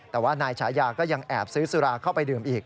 แต่ว่านายฉายาก็ยังแอบซื้อสุราเข้าไปดื่มอีก